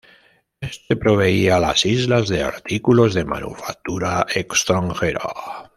Éste proveía a las Islas de artículos de manufactura extranjera.